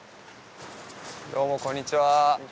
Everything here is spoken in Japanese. どうも、こんにちは。